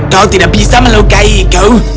kau tidak bisa melukai iku